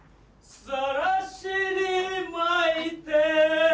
「さらしに巻いて」